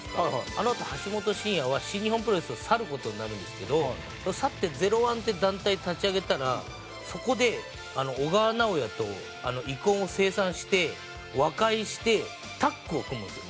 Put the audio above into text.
あのあと橋本真也は新日本プロレスを去る事になるんですけど去ってＺＥＲＯ１っていう団体立ち上げたらそこで小川直也と遺恨を清算して和解してタッグを組むんですよ。